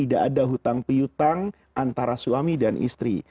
tidak ada hutang pihutang antara suami dan istri